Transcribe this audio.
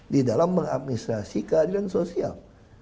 di dalam mengadministrasi keadilan sosial